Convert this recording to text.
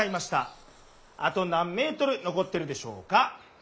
あと何メートル残ってるでしょうか？」。